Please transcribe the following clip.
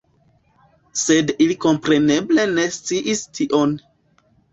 Sed ili kompreneble ne sciis tion.